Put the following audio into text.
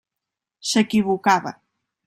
S'equivocava.